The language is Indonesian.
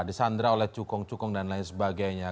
disandra oleh cukong cukong dan lain sebagainya